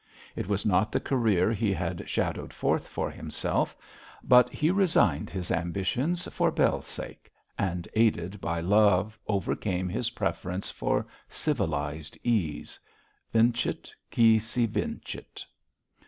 It was not the career he had shadowed forth for himself; but he resigned his ambitions for Bell's sake, and aided by love overcame his preference for civilised ease. _Vincit, qui se vincit.